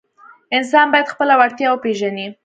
انسان باید خپله وړتیا وپیژني.